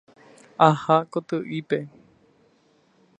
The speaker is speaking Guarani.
Aha koty'ípe.